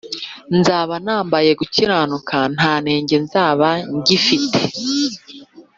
Nzaba nambaye gukiranuka ntanenge nzaba ngifite